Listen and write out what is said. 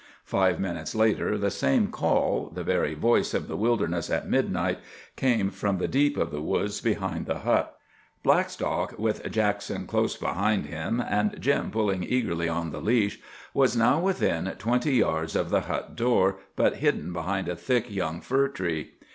Five minutes later the same call, the very voice of the wilderness at midnight, came from the deep of the woods behind the hut. Blackstock, with Jackson close behind him and Jim pulling eagerly on the leash, was now within twenty yards of the hut door, but hidden behind a thick young fir tree.